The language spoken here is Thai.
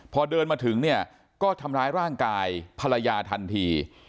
พอเดินมาถึงเนี่ยก็ทำร้ายร่างกายภรรยาทันที